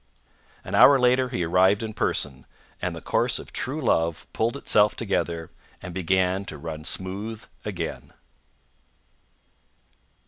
An hour later he arrived in person, and the course of true love pulled itself together, and began to run smooth again.